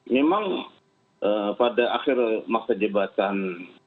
memang eee pada akhir masa jebatan